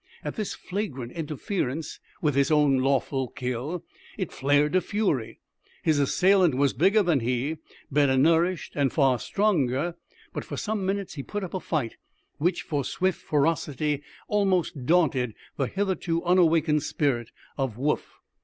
At this flagrant interference with his own lawful kill, it flared to fury. His assailant was bigger than he, better nourished, and far stronger; but for some minutes he put up a fight which, for swift ferocity, almost daunted the hitherto unawakened spirit of Woof.